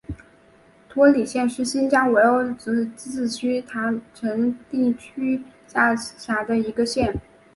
托里县是新疆维吾尔自治区塔城地区下辖的一个县。